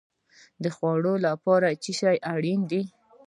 د خوړو لپاره څه شی اړین دی؟